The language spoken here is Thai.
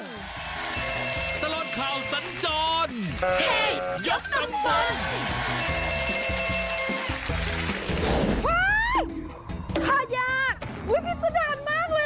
ตลอดข่าวสันจรเฮยกตำบล